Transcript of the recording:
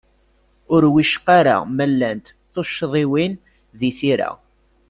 Ur wicqa ara ma llant tuccḍiwin di tira.